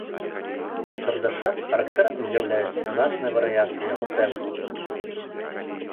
Для чардаша характэрным з'яўляецца значная варыяцыя яго тэмпу.